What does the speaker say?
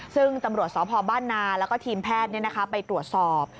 ซึ่งตำรวจสพบ้านนาแล้วก็ทีมแพทย์ไปตรวจสอบ